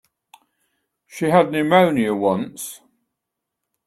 She had pneumonia once.